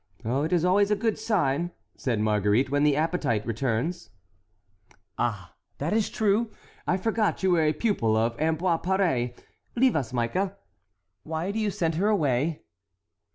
"It is always a good sign," said Marguerite, "when the appetite returns." "Ah, that is true. I forgot you were a pupil of Ambroise Paré. Leave us, Mica." "Why do you send her away?"